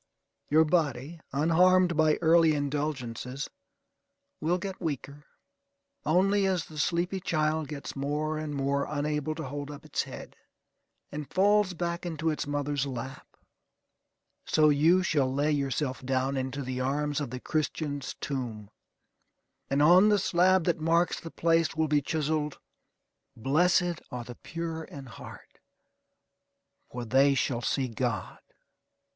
Your body, unharmed by early indulgences, will get weaker, only as the sleepy child gets more and more unable to hold up its head, and falls back into its mother's lap: so you shall lay yourself down into the arms of the Christian's tomb, and on the slab that marks the place will be chiselled: "Blessed are the pure in heart, for they shall see God."